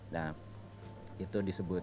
nah itu disebut